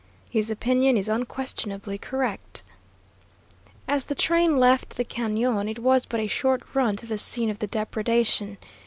His opinion is unquestionably correct. As the train left the cañon it was but a short run to the scene of the depredation.